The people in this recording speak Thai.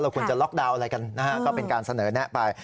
ควรจะล็อกดาวน์อะไรกันนะฮะก็เป็นการเสนอแนะไป